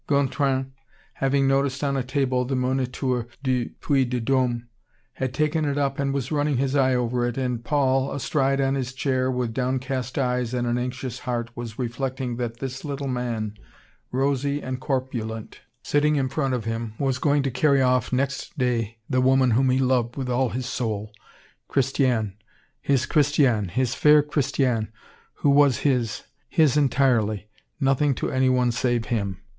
Gontran, having noticed on a table the "Moniteur du Puy de Dome," had taken it up and was running his eye over it, and Paul, astride on his chair, with downcast eyes and an anxious heart, was reflecting that this little man, rosy and corpulent, sitting in front of him, was going to carry off, next day, the woman whom he loved with all his soul, Christiane, his Christiane, his fair Christiane, who was his, his entirely, nothing to anyone save him.